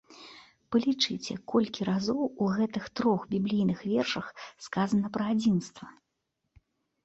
Палічыце, колькі разоў у гэтых трох біблійных вершах сказана пра адзінства!